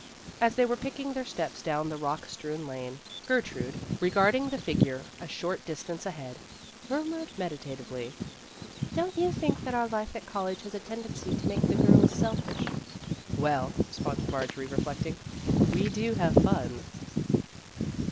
As they were picking their steps down the rock strewn lane, Gertrude, regarding iS 274 Vassar Studies the figure a short distance ahead, mur mured meditatively, " Don't you think that our life at college has a tendency to make the girls selfish ?"" Well," responded Marjorie, reflecting, " we do have fun."